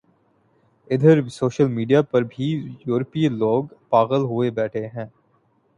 ادھر social media پر بھی یورپی لوگ پاغل ہوئے بیٹھے ہیں